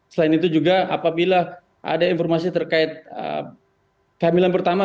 selain itu juga apabila ada informasi terkait kehamilan pertama